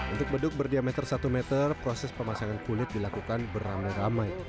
untuk beduk berdiameter satu meter proses pemasangan kulit dilakukan beramai ramai